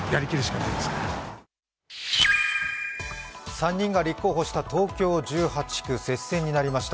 ３人が立候補した東京１８区、接戦になりました。